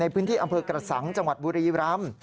พื้นที่อำเภอกระสังจังหวัดบุรีรำ